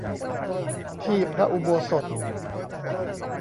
ที่พระอุโบสถ